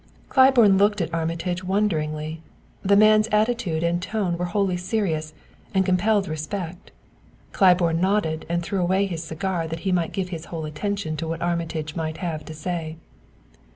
Claiborne looked at Armitage wonderingly. The man's attitude and tone were wholly serious and compelled respect. Claiborne nodded and threw away his cigar that he might give his whole attention to what Armitage might have to say.